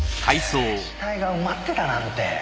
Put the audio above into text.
死体が埋まってたなんて。